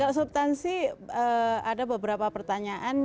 kalau substansi ada beberapa pertanyaan